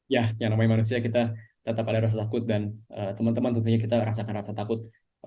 ya yang namanya manusia kita tetap ada rasa takut dan teman teman tentunya kita rasakan rasa takut